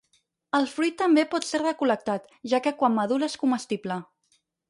El fruit també pot ser recol·lectat, ja que quan madura és comestible.